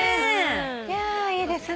いやいいですね。